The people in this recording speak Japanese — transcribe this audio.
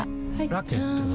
ラケットは？